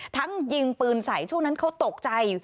ยิงปืนใส่ช่วงนั้นเขาตกใจ